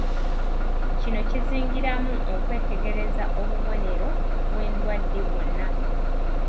Kino kizingiramu okwetegereza obubonero bw'endwadde bwonna.